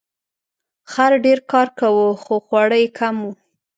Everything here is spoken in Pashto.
خر ډیر کار کاوه خو خواړه یې کم وو.